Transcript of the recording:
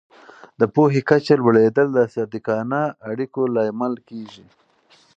د پوهې کچه لوړېدل د صادقانه اړیکو لامل کېږي.